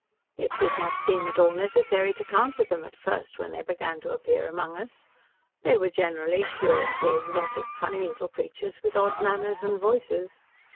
"It did not seem at all necessary to count with them at first, when they began to appear among us. They were generally curiously exotic, funny little creatures with odd manners and voices.